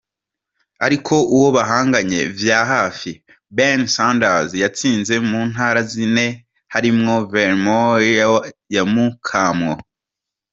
Ariko uwo bahanganye vya hafi, Bernie Sanders, yatsinze mu ntara zine harimwo Vermont yamukamwo.